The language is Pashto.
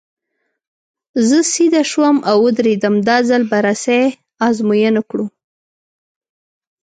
زه سیده شوم او ودرېدم، دا ځل به رسۍ ازموینه کړو.